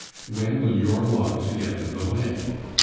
"When will your logs be out of the way?"